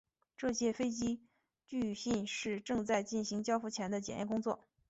这些飞机据信是正在进行交付前的检验工作。